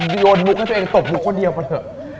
โดยโยนมุกให้ตัวเองตบมุกคนเดียวป่ะเถอะ